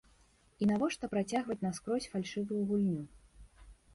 І навошта працягваць наскрозь фальшывую гульню?